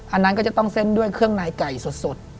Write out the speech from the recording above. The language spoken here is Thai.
อันนั้นก็จะต้องเส้นด้วยเครื่องในไก่สด